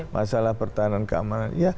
masalah pertahanan keamanan